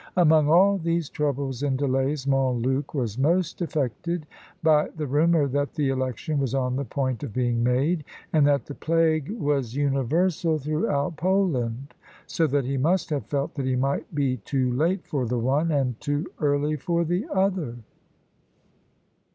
Among all these troubles and delays, Montluc was most affected by the rumour that the election was on the point of being made, and that the plague was universal throughout Poland, so that he must have felt that he might be too late for the one, and too early for the other.